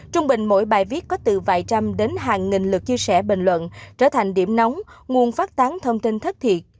trung bình mỗi bài viết có từ vài trăm đến hàng nghìn lượt chia sẻ bình luận trở thành điểm nóng nguồn phát tán thông tin thất thiệt